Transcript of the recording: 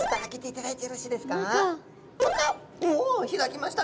おお開きましたね。